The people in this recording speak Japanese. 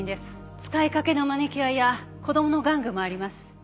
使いかけのマニキュアや子供の玩具もあります。